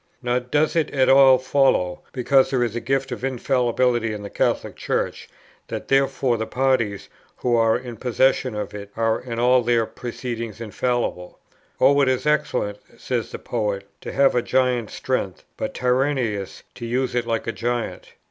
Nor does it at all follow, because there is a gift of infallibility in the Catholic Church, that therefore the parties who are in possession of it are in all their proceedings infallible. "O, it is excellent," says the poet, "to have a giant's strength, but tyrannous, to use it like a giant."